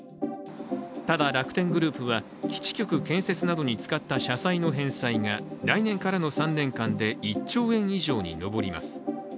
ただ楽天グループは基地局建設などに使った社債の返済が来年からの３年間で１兆円以上に上ります。